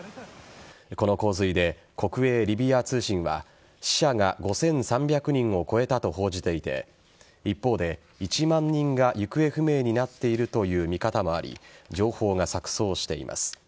この洪水で国営リビア通信は死者が５３００人を超えたと報じていて一方で、１万人が行方不明になっているという見方もあり情報が錯綜しています。